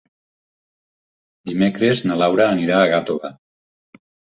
Dimecres na Laura anirà a Gàtova.